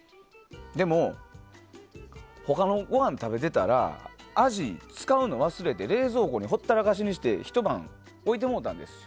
でも、他のごはん食べてたらアジ使うの忘れて冷蔵庫にほったらかしにしてひと晩置いてもうたんです。